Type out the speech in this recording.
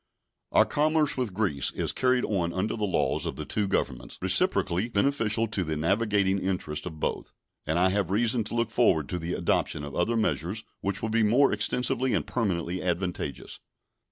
Our commerce with Greece is carried on under the laws of the two Governments, reciprocally beneficial to the navigating interests of both; and I have reason to look forward to the adoption of other measures which will be more extensively and permanently advantageous.